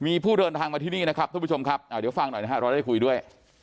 มีผู้เดินทางมาที่นี่นะครับทุกผู้ชมครับเดี๋ยวฟังหน่อยนะฮะเราได้คุยด้วย